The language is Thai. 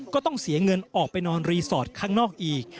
ก็ต้องเสียเงินออกไปนอนรีสอร์ทข้างนอกอีก